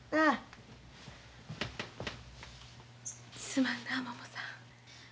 すまんなももさん。